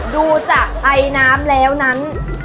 ดูจากไอน้ำแล้วนั้น